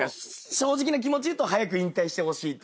正直な気持ち言うと早く引退してほしいっていう。